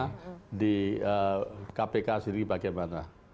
karena saya akan melihat ketentuan di dkpp sendiri bagaimana